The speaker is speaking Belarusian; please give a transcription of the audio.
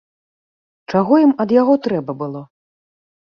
Чаго ім ад яго трэба было?